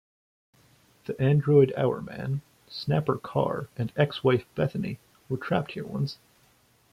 The android Hourman, Snapper Carr and ex-wife Bethany were trapped here once.